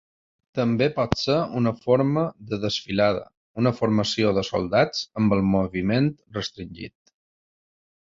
També pot ser una forma de desfilada, una formació de soldats amb el moviment restringit.